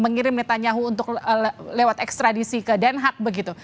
mengirim meta nyahu untuk lewat ekstradisi ke den haag begitu